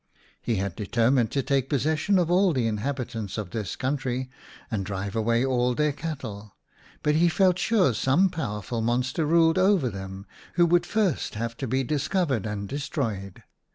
He had determined to take possession of all the in habitants of this country and drive away all their cattle, but he felt sure some powerful monster ruled over them who would first have to be dis covered and destroyed.